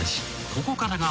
［ここからが］